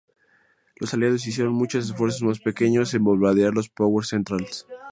Los Aliados hicieron muchos esfuerzos más pequeños en bombardear los Power Centrales.